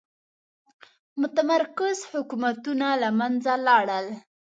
متمرکز حکومتونه له منځه لاړل.